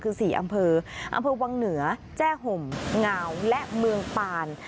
คือ๔อำเภออำเภอวังเหนือแจ้ห่มงาวและเมืองปาน